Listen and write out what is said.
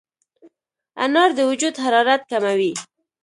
انار د وجود حرارت کموي.